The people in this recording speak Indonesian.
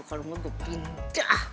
kalau enggak gue pindah